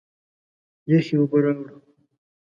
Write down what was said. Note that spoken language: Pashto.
یخي اوبه راړه!